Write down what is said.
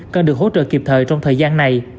cần được hỗ trợ kịp thời trong thời gian này